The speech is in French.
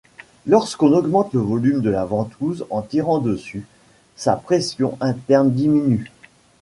Lorsqu’on augmente le volume de la ventouse en tirant dessus, sa pression interne diminue.